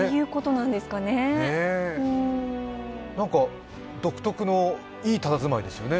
なんか、独特のいいたたずまいですよね。